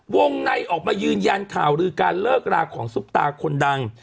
วงในออกมายืนยันข่าวลือการเลิกราของซุปตาคนดัง